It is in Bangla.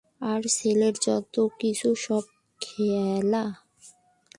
আর ছেলের যত-কিছু সব খেলা।